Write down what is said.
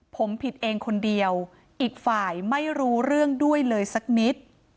ผมผิดเองคนเดียวอีกฝ่ายไม่รู้เรื่องด้วยเลยสักนิด